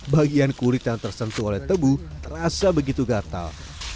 bagian kurit yang tersentuh oleh tebu terasa begitu gatal